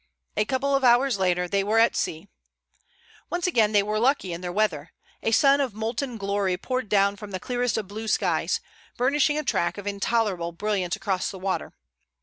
A couple of hours later they were at sea. Once again they were lucky in their weather. A sun of molten glory poured down from the clearest of blue skies, burnishing a track of intolerable brilliance across the water.